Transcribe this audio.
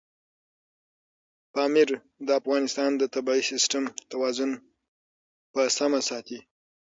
پامیر د افغانستان د طبعي سیسټم توازن په سمه ساتي.